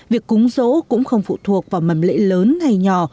việc cúng rỗ cũng không phụ thuộc vào mầm lễ lớn hay nhỏ